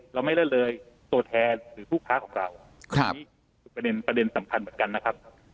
เราไม่ละเลยตัวแทนหรือผู้ค้าของเราอันนี้คือประเด็นสำคัญเหมือนกันนะครับ